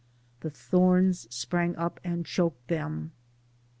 " The thorns sprang up and choked them."